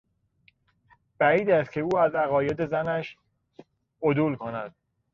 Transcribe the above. بعید است که او از عقاید زنش عدول کند.